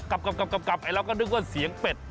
กลับเราก็นึกว่าเสียงเป็ด